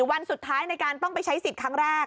วันสุดท้ายในการต้องไปใช้สิทธิ์ครั้งแรก